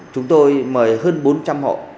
chúng tôi mời hơn bốn trăm linh hộ